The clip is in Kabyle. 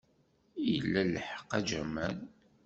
Ila lḥeqq, a Jamal.